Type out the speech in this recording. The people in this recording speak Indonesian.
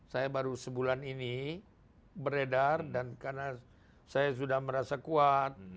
saya baru sebulan ini beredar dan karena saya sudah merasa kuat